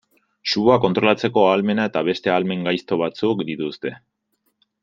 Sua kontrolatzeko ahalmena eta beste ahalmen gaizto batzuk dituzte.